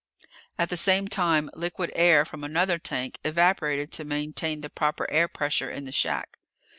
At the same time, liquid air from another tank evaporated to maintain the proper air pressure in the shack.